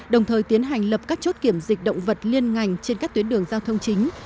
đồng thời tiến hành lập các chốt kiểm dịch động vật liên ngành trên các tuyến đường giao thông chính